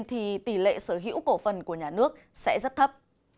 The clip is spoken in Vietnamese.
thì tỷ lệ sở hữu cổ phần của nhà nước sẽ rất thấp